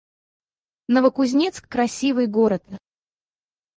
Новокузнецк — красивый город